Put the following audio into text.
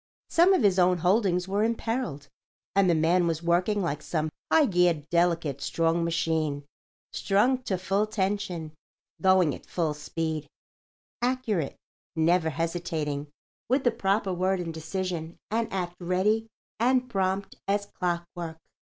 Some of his own holdings were imperilled, and the man was working like some high geared, delicate, strong machine—strung to full tension, going at full speed, accurate, never hesitating, with the proper word and decision and act ready and prompt as clockwork.